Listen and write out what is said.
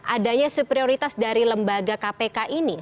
adanya superioritas dari lembaga kpk ini